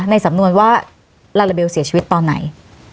ในสำนวนว่าลาลาเบลเสียชีวิตตอนไหน